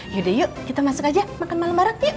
yaudah yuk kita masuk aja makan malem bareng yuk